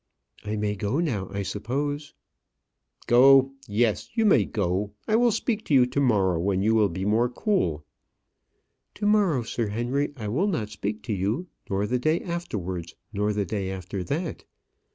"I may go now, I suppose?" "Go yes; you may go; I will speak to you to morrow, when you will be more cool." "To morrow, Sir Henry, I will not speak to you; nor the day afterwards, nor the day after that.